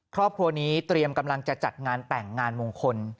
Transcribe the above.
ครอบครัวนี้เตรียมกำลังจะจัดงานแต่งงานมงคล